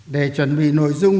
để chuẩn bị nội dung